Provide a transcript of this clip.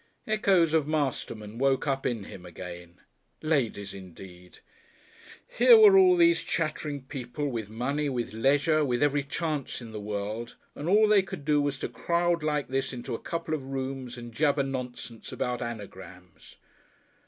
Echoes of Masterman woke up in him again. Ladies indeed! Here were all these chattering people, with money, with leisure, with every chance in the world, and all they could do was to crowd like this into a couple of rooms and jabber nonsense about anagrams.